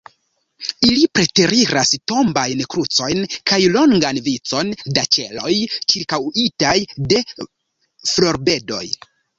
Ili preteriris tombajn krucojn kaj longan vicon da ĉeloj, ĉirkaŭitaj de florbedoj.